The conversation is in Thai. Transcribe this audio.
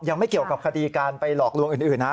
ยังไม่เกี่ยวกับคดีการไปหลอกลวงอื่นนะ